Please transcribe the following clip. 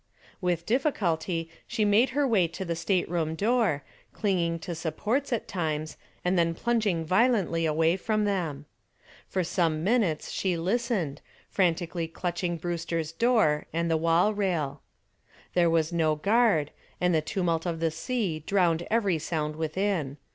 With difficulty she made her way to the stateroom door, clinging to supports at times and then plunging violently away from them. For some minutes she listened, frantically clutching Brewster's door and the wall rail. There was no guard, and the tumult of the sea drowned every sound within.